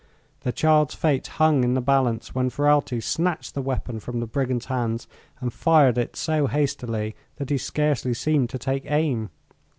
The child's fate hung in the balance when Ferralti snatched the weapon from the brigand's hands and fired it so hastily that he scarcely seemed to take aim.